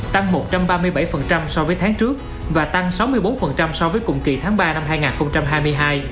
tăng một trăm ba mươi bảy so với tháng trước và tăng sáu mươi bốn so với cùng kỳ tháng ba năm hai nghìn hai mươi hai